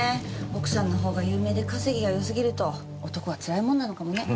奥さんのほうが有名で稼ぎが良すぎると男はつらいものなのかもね。